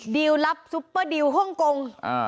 ดีลลับซุปเปอร์ดีลฮ่องกง